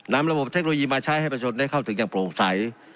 นำระบบเทคโนโลยีมาใช้ให้ประชนได้เข้าถึงอย่างโปร่งใส